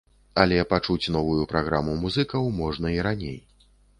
Але пачуць новую праграму музыкаў можна і раней.